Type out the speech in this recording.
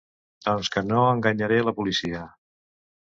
Doncs que no enganyaré la policia.